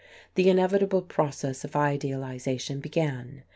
The inevitable process of idealization began.